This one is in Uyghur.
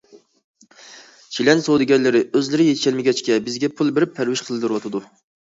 چىلان سودىگەرلىرى ئۆزلىرى يېتىشەلمىگەچكە بىزگە پۇل بېرىپ پەرۋىش قىلدۇرۇۋاتىدۇ.